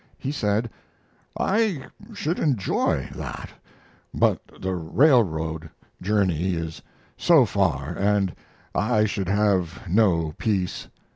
He said: "I should enjoy that; but the railroad journey is so far and I should have no peace.